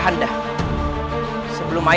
aku sudah selesai